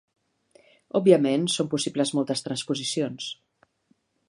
Òbviament, són possibles moltes transposicions.